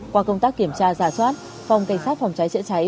qua công tác kiểm tra giả soát phòng cảnh sát phòng cháy chữa cháy